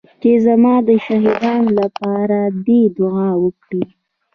چې زما د شهيدانو لپاره دې دعا وکړي.